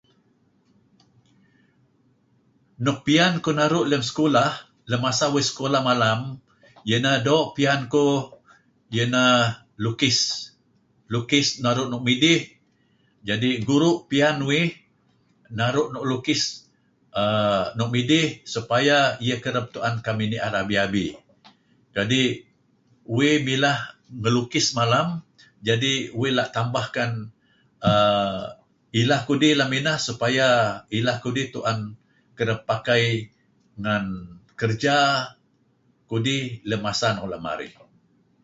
Nuk pian uih naru' lam sekolah lem masa uih lem sekolah iaineh doo' pian kuh iaineh doo' pian kuh lukis. Lukis nau' nuk midih, guru' pian uih naru' nuk lukis uhm nuk midih supaya ideh kereb tuen kamih nier abi-abi. Jadi' uih mileh melukis malem jadi' yuh pian tambahkan ilah kudih lem inah supaya ileh kudinh kereb pakai ngen kerja kudih ;am masa n uk la' marih.